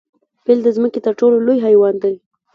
پیل د ځمکې تر ټولو لوی حیوان دی